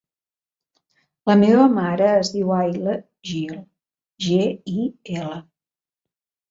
La meva mare es diu Ayla Gil: ge, i, ela.